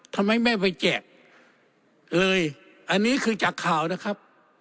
ทำไมไม่ไปแจกเลยอันนี้คือจากข่าวนะครับ